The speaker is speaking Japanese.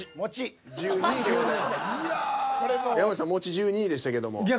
山内さんもち１２位でしたけども。